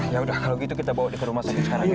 ya udah kalau gitu kita bawa ke rumah sakit sekarang aja